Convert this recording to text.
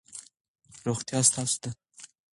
روغتیا ستاسو ده.